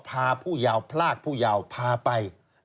พาผู้เยาพลาดผู้เยาพาไป